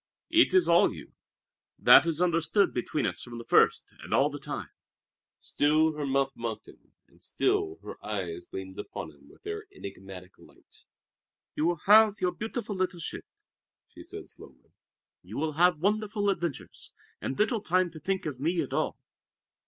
It is all you. That is understood between us from the first, and all the time." Still her mouth mocked him; and still her eyes gleamed upon him with their enigmatic light. "You will have your beautiful little ship," she said slowly. "You will have wonderful adventures and little time to think of me at all.